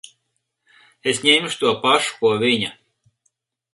Es ņemšu to pašu, ko viņa.